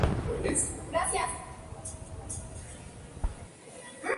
Tiene una significativa influencia persa y no se entiende bien por otros árabo-hablantes.